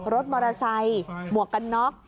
รถมอเตอร์ไซค์หมวกกันน็อก